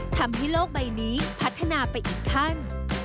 ทำให้โลกใบนี้พัฒนาไปอีกขั้น